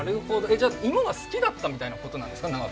じゃ、芋が好きだったみたいなことだったんですか？